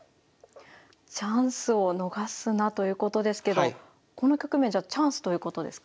「チャンスをのがすな」ということですけどこの局面じゃあチャンスということですか？